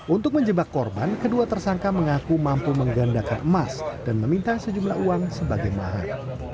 untuk menjebak korban kedua tersangka mengaku mampu menggandakan emas dan meminta sejumlah uang sebagai mahar